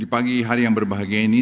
di pagi hari yang berbahagia ini